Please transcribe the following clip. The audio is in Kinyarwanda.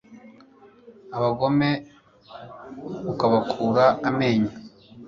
abagome ukabakura amenyo